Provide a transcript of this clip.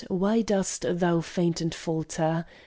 Why dost thou faint and falter?